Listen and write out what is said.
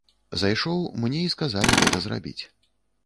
Зайшоў, мне і сказалі гэта зрабіць.